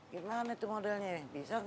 gimana tuh modelnya nih bisa gak